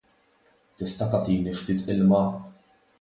" Tista' tagħtini ftit ilma? "